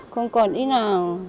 không còn ý nào